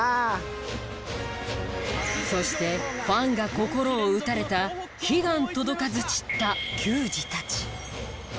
そしてファンが心を打たれた悲願届かず散った球児たち。